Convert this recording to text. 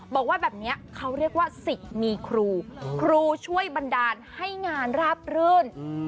บอกว่าแบบนี้เขาเรียกว่าสิทธิ์มีครูครูช่วยบันดาลให้งานราบรื่น